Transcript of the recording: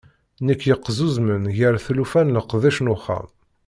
Nekk yeqzuzmen gar tlufa d leqdic n uxxam.